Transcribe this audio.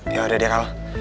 ya udah deh kal